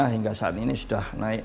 hingga saat ini sudah naik